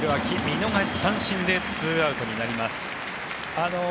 見逃し三振で２アウトになります。